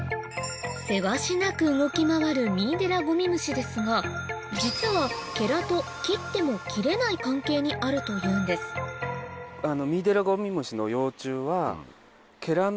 せわしなく動き回るミイデラゴミムシですが実はケラと切っても切れない関係にあるというんですえっ？